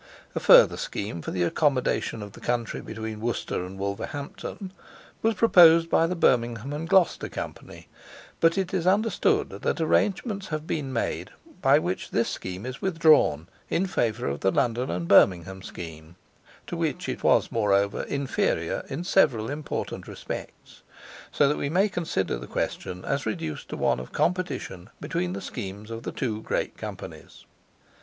A further scheme for the accommodation of the country between Worcester and Wolverhampton, was proposed by the Birmingham and Gloucester Company, but it is understood that arrangements have been made by which this scheme is withdrawn in favour of the London and Birmingham scheme, to which it was moreover inferior in several important respects, so that we may consider the question as reduced to one of competition between the schemes of the two great Companies.